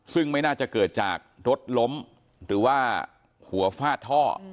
ซึ่งไม่น่าจะเกิดจากรถล้มหรือว่าหัวฟาดท่อ